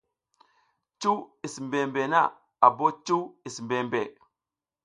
Cuw is mbembe na a bo cuw is mbembe.